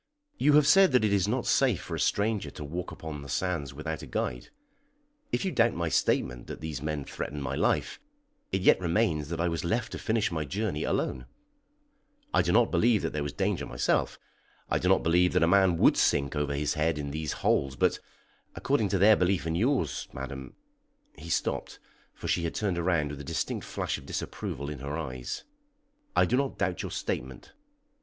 "You have said that it is not safe for a stranger to walk upon the sands without a guide; if you doubt my statement that these men threatened my life, it yet remains that I was left to finish my journey alone. I do not believe that there was danger myself. I do not believe that a man would sink over his head in these holes; but according to their belief and yours, madam " He stopped, for she had turned round with a distinct flash of disapproval in her eyes. "I do not doubt your statement."